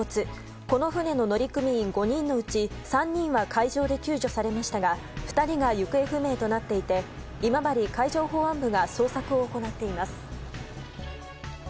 この船の乗組員５人のうち３人は海上で救助されましたが２人が行方不明となっていて今治海上保安部が捜索を行っています。